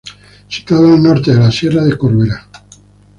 Situado al norte de la Sierra de Corbera.